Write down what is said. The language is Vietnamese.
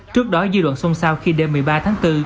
trước đó dư luận xuân sao khi đêm một mươi ba tháng bốn